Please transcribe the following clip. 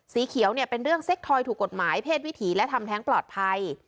สีเขียวเนี่ยเป็นเรื่องเซ็กทอยถูกกฎหมายเพศวิถีและทำแท้งปลอดภัย